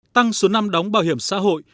tăng số năm đóng bảo hiểm xã hội